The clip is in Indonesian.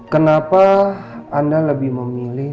kenapa anda lebih memilih